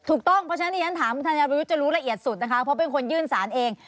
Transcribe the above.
ถูกต้องเพราะฉะนั้นที่ฉันถามธัญญาประยุทธ์จะรู้ละเอียดสุดนะคะเพราะเป็นคนยื่นสารเอง